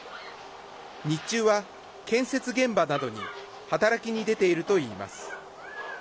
日中は建設現場などに働きに出ているといいます。